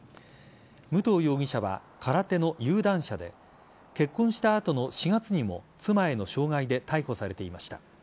武藤容疑者は空手の有段者で結婚した後の４月にも妻への傷害で逮捕されていました。